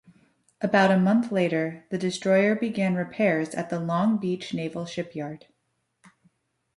About a month later, the destroyer began repairs at the Long Beach Naval Shipyard.